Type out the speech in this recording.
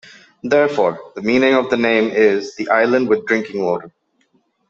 Therefore, the meaning of the name is "the island with drinking water".